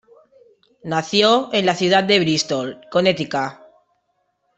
Nació en la ciudad de Bristol, Connecticut.